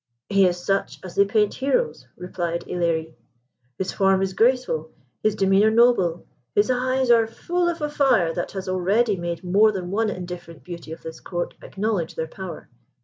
"He is such as they paint heroes," replied Ilerie. "His form is graceful; his demeanour noble; his eyes are full of a fire that has already made more than one indifferent beauty at this Court acknowledge their power.